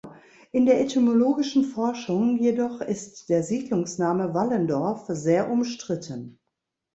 In der etymologischen Forschung jedoch ist der Siedlungsname „Wallendorf“ sehr umstritten.